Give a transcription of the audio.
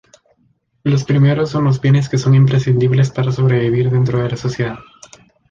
Los primeros son los bienes que son imprescindibles para sobrevivir dentro de la sociedad.